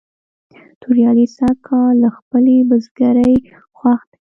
توریالی سږ کال له خپلې بزگرۍ خوښ دی.